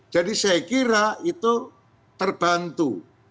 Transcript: jadi saya kira itu terbantu